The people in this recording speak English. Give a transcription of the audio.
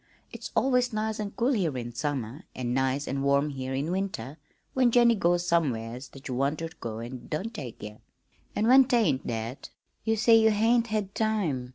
It's always 'nice an' cool' here in summer an' 'nice an' warm' here in winter when Jennie goes somewheres that you want ter go an' don't take ye. An' when 't ain't that, you say you 'hain't had time.'